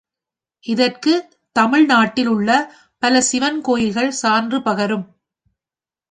இதற்குத் தமிழ் நாட்டில் உள்ள பல சிவன் கோயில்கள் சான்று பகரும்.